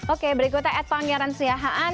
oke berikutnya ad panggilan siahaan